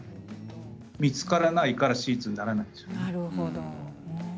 見つからないから手術にならないんですよね。